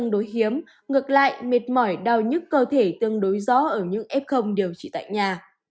đối hiếm ngược lại mệt mỏi đau nhức cơ thể tương đối rõ ở những f điều trị tại nhà